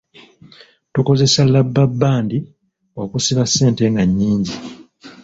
Tukozesa labbabbandi okusiba ssente nga nnyingi.